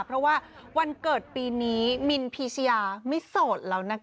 เพราะว่าวันเกิดปีนี้มินพีชยาไม่โสดแล้วนะคะ